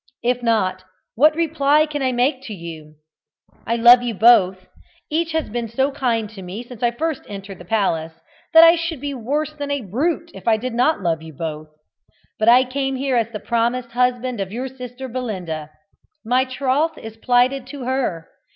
If not what reply can I make to you? I love you both each has been so kind to me since I first entered the palace, that I should be worse than a brute if I did not love you both. But I came here as the promised husband of your sister Belinda. My troth is plighted to her.